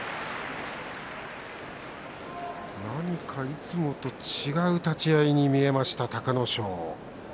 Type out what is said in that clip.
なんかいつもと違う立ち合いに見えました、隆の勝。